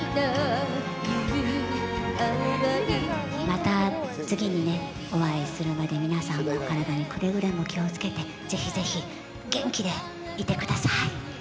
また次にね、お会いするまで皆さんも体にくれぐれも気をつけて、ぜひぜひ元気でいてください。